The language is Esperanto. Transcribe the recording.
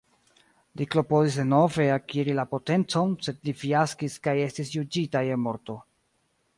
Li klopodis denove akiri la potencon, sed li fiaskis kaj estis juĝita je morto.